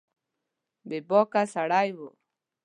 بې باکه سړی و